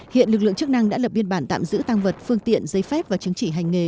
hiện lực lượng chức năng đã lập biên bản tạm giữ tăng vật phương tiện giấy phép và chứng chỉ hành nghề